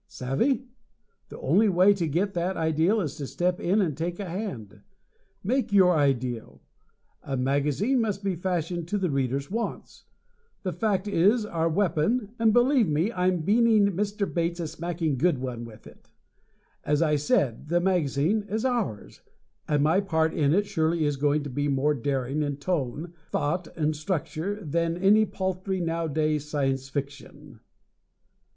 Savvy? The only way to get that ideal is to step in and take a hand. Make your ideal! A magazine must be fashioned to the reader's wants! The fact is our weapon, and believe me I'm beaning Mr. Bates a smacking good one with it. As I said, the magazine is ours, and my part in it surely is going to be more daring in tone, thought and structure than any paltry nowaday Science Fiction!